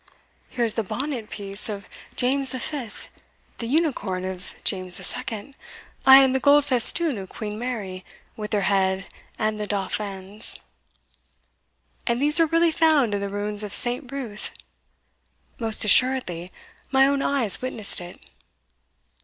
Here is the bonnet piece of James V., the unicorn of James II., ay, and the gold festoon of Queen Mary, with her head and the Dauphin's. And these were really found in the ruins of St. Ruth?" "Most assuredly my own eyes witnessed it."